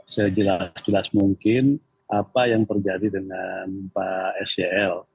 sejelas jelas mungkin apa yang terjadi dengan pak sel